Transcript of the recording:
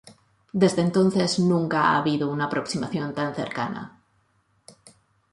Desde entonces nunca ha habido una aproximación tan cercana.